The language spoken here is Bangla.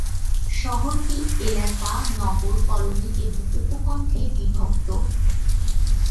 শহরটি এলাকা, নগর, কলোনি এবং উপকন্ঠে বিভক্ত।